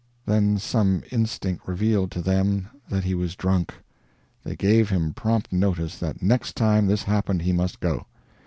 Then some instinct revealed to them that he was drunk. They gave him prompt notice that next time this happened he must go.